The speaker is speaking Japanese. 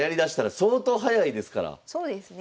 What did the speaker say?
そうですね。